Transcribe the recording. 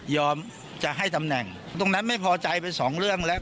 จะให้ตำแหน่งตรงนั้นไม่พอใจไปสองเรื่องแล้ว